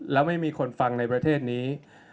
แล้วไม่มีคนฟังในประเทศนี้